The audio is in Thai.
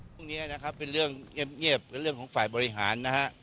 พวกนี้นะครับเป็นเรื่องเงียบเป็นเรื่องของฝ่ายบริหารนะฮะ